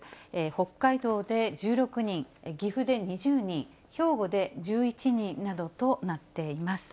北海道で１６人、岐阜で２０人、兵庫で１１人などとなっています。